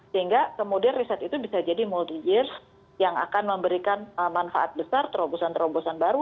sehingga kemudian riset itu bisa jadi multi years yang akan memberikan manfaat besar terobosan terobosan baru